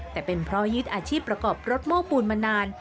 แต่เป็นเพราะยึดอาชีพประกอบรถโม้ปูนมานาน